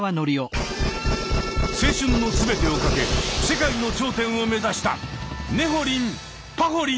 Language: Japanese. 青春の全てを懸け世界の頂点を目指した！